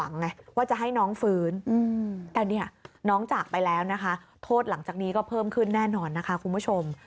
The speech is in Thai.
น้องจากไปแล้วนะคะโทษหลังจากนี้ก็เพิ่มขึ้นแน่นอนนะคะคุณผู้ชม